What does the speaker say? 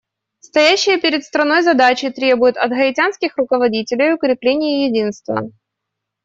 Стоящие перед страной задачи требуют от гаитянских руководителей укрепления единства.